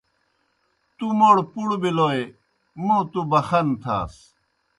تُوْ موْڑ پُڑ بِلوئے موں تُوْ بخنہ تھاس۔